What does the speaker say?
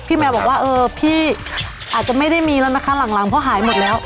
แมวบอกว่าเออพี่อาจจะไม่ได้มีแล้วนะคะหลังเพราะหายหมดแล้ว